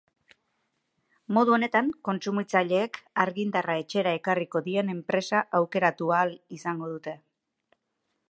Modu honetan kontsumitzaileek argindarra etxera ekarriko dien enpresa aukeratu ahal izango dute.